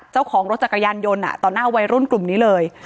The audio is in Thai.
เจ้าของรถจักรยานยนต์ต่อหน้าวัยรุ่นกลุ่มนี้เลย